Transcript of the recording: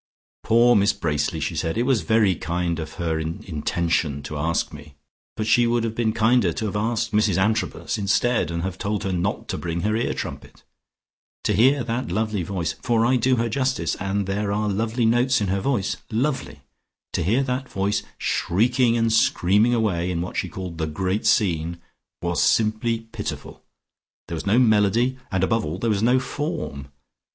"Poor Miss Bracely!" she said. "It was very kind of her in intention to ask me, but she would have been kinder to have asked Mrs Antrobus instead, and have told her not to bring her ear trumpet. To hear that lovely voice, for I do her justice, and there are lovely notes in her voice, lovely, to hear that voice shrieking and screaming away, in what she called the great scene, was simply pitiful. There was no melody, and above all there was no form.